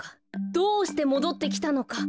どうしてもどってきたのか。